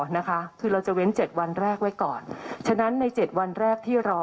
นะคะคือเราจะเว้นเจ็ดวันแรกไว้ก่อนฉะนั้นในเจ็ดวันแรกที่รอ